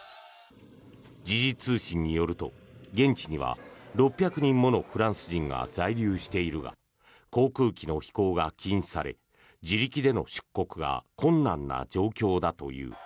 時事通信によると現地には６００人ものフランス人が在留しているが航空機の飛行が禁止され自力での出国が困難な状況だという。